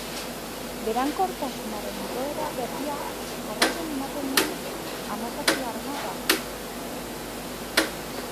Berankortasunaren igoera berria jarraian ematen den hamazortzigarrena da.